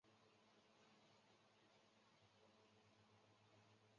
共同的加泰罗尼亚是西班牙加泰罗尼亚自治区的一个左翼政党。